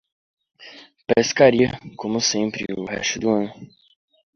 Pescaria, como sempre, o resto do ano.